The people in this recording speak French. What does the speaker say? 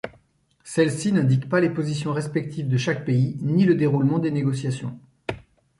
Celle-ci n'indique pas les positions respectives de chaque pays, ni le déroulement des négociations.